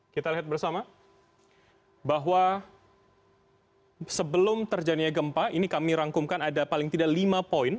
kita lihat bersama bahwa sebelum terjadinya gempa ini kami rangkumkan ada paling tidak lima poin